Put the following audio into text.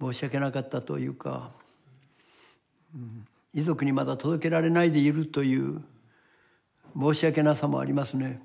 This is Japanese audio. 申し訳なかったというか遺族にまだ届けられないでいるという申し訳なさもありますね。